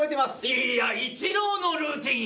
「いやイチローのルーティン」